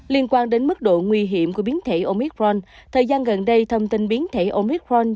liên quan đến mức độ nguy hiểm của biến thể omicron thời gian gần đây thông tin biến thể omicron